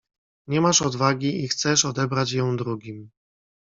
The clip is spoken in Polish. "Nie masz odwagi i chcesz odebrać ją drugim."